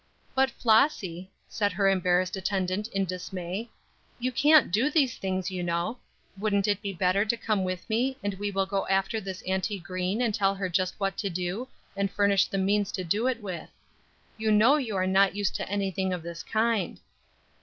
"But, Flossy," said her embarrassed attendant in dismay, "you can't do these things, you know; wouldn't it be better to come with me, and we will go after this Auntie Green and tell her just what to do, and furnish the means to do it with. You know you are not used to anything of this kind."